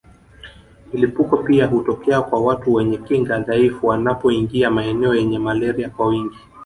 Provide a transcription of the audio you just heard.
Milipuko pia hutokea kwa watu wenye kinga dhaifu wanapoingia maeneo yenye malaria kwa wingi